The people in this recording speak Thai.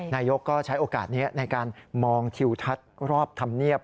นายกก็ใช้โอกาสนี้ในการมองทิวทัศน์รอบธรรมเนียบ